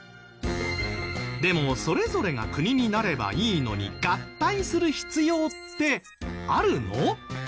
でもそれぞれが国になればいいのに合体する必要ってあるの？